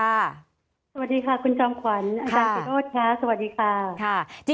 สวัสดีค่ะคุณจอมขวัญอาจารย์วิโรธค่ะสวัสดีค่ะ